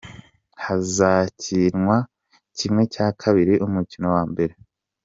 Hazakinwa kimwe cya kabiri umukino wa mbere.